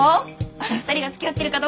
あの２人がつきあってるかどうか。